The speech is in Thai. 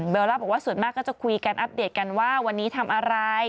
ล่าบอกว่าส่วนมากก็จะคุยกันอัปเดตกันว่าวันนี้ทำอะไร